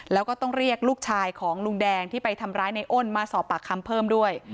แล้วก็ต้องเรียกลูกชายของลุงแดงที่ไปทำร้ายในอ้นมาสอบปากคำเพิ่มด้วย